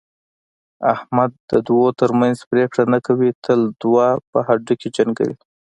احمد د دوو ترمنځ پرېکړه نه کوي، تل دوه په هډوکي جنګوي.